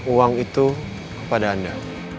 uang itu kepada anda